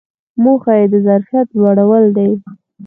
موخه یې د ظرفیت لوړول دي.